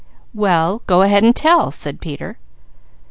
"Well go ahead and tell," said Peter.